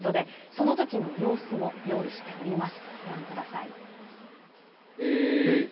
その時の様子も用意しています。